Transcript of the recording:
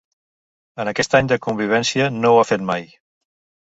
En aquest any de convivència no ho ha fet mai.